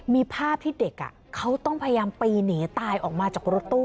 มีภาพที่เด็กเขาต้องพยายามปีหนีตายออกมาจากรถตู้